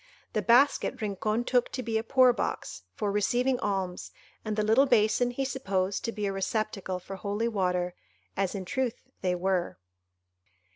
The basket Rincon took to be a poor box, for receiving alms, and the little basin he supposed to be a receptacle for holy water, as in truth they were.